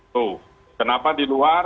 tuh kenapa di luar